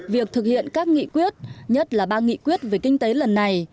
việc thực hiện các nghị quyết nhất là ba nghị quyết về kinh tế lần này